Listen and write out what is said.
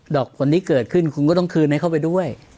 อกผลที่เกิดขึ้นคุณก็ต้องคืนให้เข้าไปด้วย